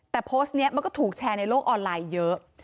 แต่โพสต์นี้มันก็ถูกแชร์ในโลกออนไลน์เยอะ